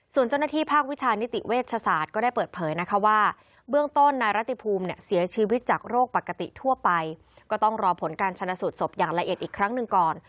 ส่วนเจ้าหน้าที่ภาควิชานิติเวชศาสตร์ก็ได้เปิดเผยนะคะว่าเบื้องต้นนายรัติภูมิเนี่ยเสียชีวิตจากโรคปกติทั่วไปก็ต้องรอผลการชนะสูตรศพอย่างละเอียดอีกครั้งหนึ่งก่อน